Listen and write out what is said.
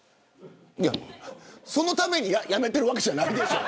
そのためにやめてるわけじゃないでしょ。